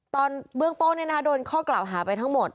เบื้องต้นโดนข้อกล่าวหาไปทั้งหมด